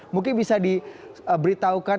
mungkin bisa diberitahukan